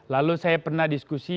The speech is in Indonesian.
lalu saya pernah diskusi